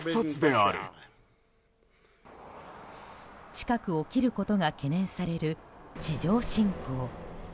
近く起きることが懸念される地上侵攻。